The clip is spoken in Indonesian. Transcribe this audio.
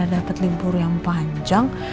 karena dapat libur yang panjang